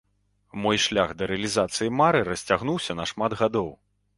Мой шлях да рэалізацыі мары расцягнуўся на шмат гадоў.